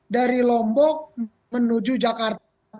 dan mereka tidak sekaligus ataupun bersama sama berangkat